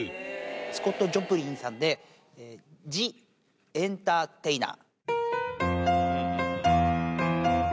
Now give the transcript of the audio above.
スコット・ジョプリンさんで、ジ・エンターテイナー。